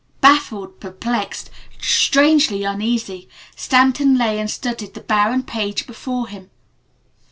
Baffled, perplexed, strangely uneasy, Stanton lay and studied the barren page before him.